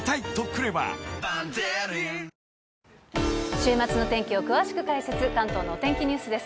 週末の天気を詳しく解説、関東のお天気ニュースです。